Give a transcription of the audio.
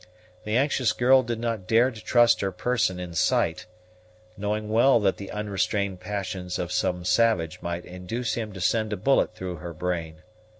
The anxious girl did not dare to trust her person in sight, knowing well that the unrestrained passions of some savage might induce him to send a bullet through her brain.